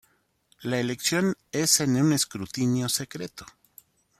La elección es en escrutinio secreto.